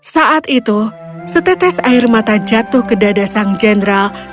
saat itu setetes air mata jatuh ke dada sang jenderal